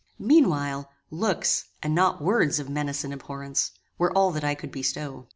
Meanwhile, looks, and not words of menace and abhorrence, were all that I could bestow.